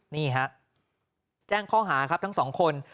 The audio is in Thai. นี่ฮะแจ้งข้อหาครับทั้งสองคน